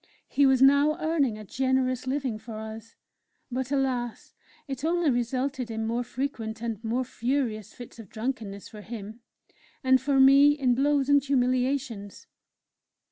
He was now earning a generous living for us; but alas! it only resulted in more frequent and more furious fits of drunkenness for him and for me in blows and humiliations.